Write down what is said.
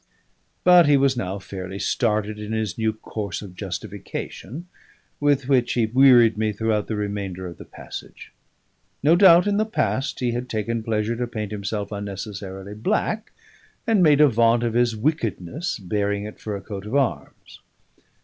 But he was now fairly started on his new course of justification, with which he wearied me throughout the remainder of the passage. No doubt in the past he had taken pleasure to paint himself unnecessarily black, and made a vaunt of his wickedness, bearing it for a coat of arms.